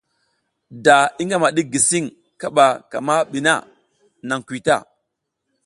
Da i ngama ɗik gisiƞ kaɓa ka mi ɓa na, naƞ kuy ta.